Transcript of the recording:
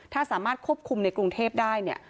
ถ้าสามารถควบคุมในกรุงเทพได้เนี่ย